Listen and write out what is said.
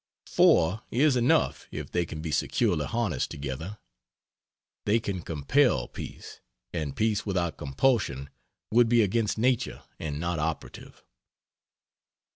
Four is enough if they can be securely harnessed together. They can compel peace, and peace without compulsion would be against nature and not operative.